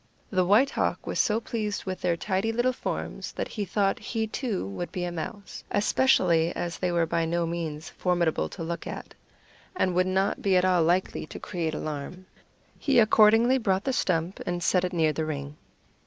The White Hawk was so pleased with their tidy little forms that he thought he, too, would be a mouse, especially as they were by no means formidable to look at, and would not be at all likely to create alarm. He accordingly brought the stump and set it near the ring.